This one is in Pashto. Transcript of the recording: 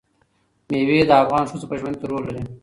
مېوې د افغان ښځو په ژوند کې رول لري.